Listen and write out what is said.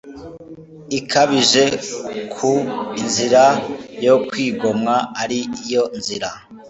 ikabije ko inzira yo kwigomwa ari yo nzira